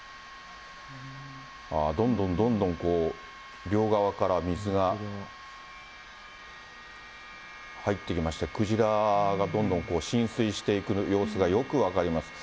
どんどんどんどん両側から水が入っていきまして、クジラがどんどん浸水していく様子がよく分かります。